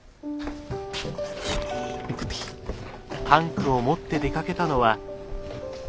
タンクを持って出かけたのは。